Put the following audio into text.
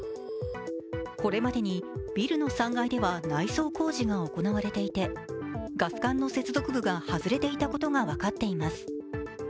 これまでにビルの３階では内装工事が行われていてガス管の接続部が外れていたことが分かっています。